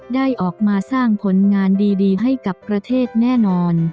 ได้ออกมาสร้างผลงานดีให้กับประเทศแน่นอน